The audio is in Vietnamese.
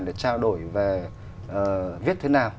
để trao đổi về viết thế nào